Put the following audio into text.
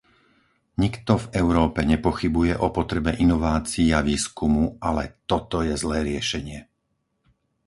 Nikto v Európe nepochybuje o potrebe inovácií a výskumu, ale toto je zlé riešenie.